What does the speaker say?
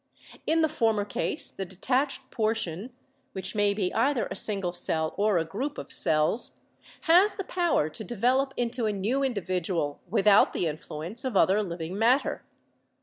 In the former case the detached portion (which may be either a single cell or a group of cells) has the power to develop into a new individual without the influence of other living mat ter.